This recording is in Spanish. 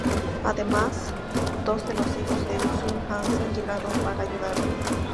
Además, dos de los hijos de Uzun Hasan llegaron para ayudarlo.